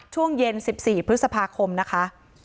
ช่วงเย็น๑๔พฤษภาคมนะคะ